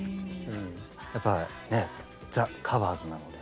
やっぱね「ＴｈｅＣｏｖｅｒｓ」なので。